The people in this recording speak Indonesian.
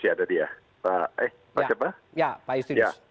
ya pak yustinus